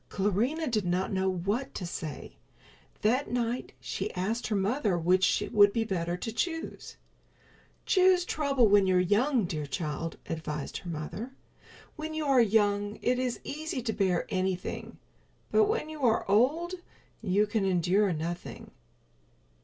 Clarinha did not know what to say. That night she asked her mother which would be better to choose. "Choose trouble when you're young, dear child," advised her mother. "When you are young it is easy to bear anything, but when you are old you can endure nothing."